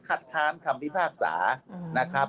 ค้านคำพิพากษานะครับ